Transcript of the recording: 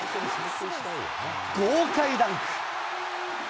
豪快ダンク。